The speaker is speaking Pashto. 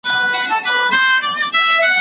پخوانیو افغانانو تل د میلمنو ښه درناوی کاوه.